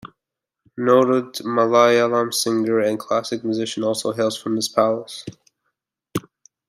Noted Malayalam singer and classical musician also hails from this palace.